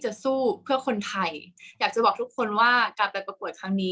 จะสู้เพื่อคนไทยอยากจะบอกทุกคนว่ากลับไปประกวดตอน